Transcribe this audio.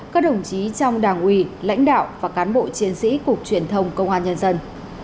các đồng chí trong đảng ủy lãnh đạo và cán bộ chiến sĩ cục truyền thông công an nhân dân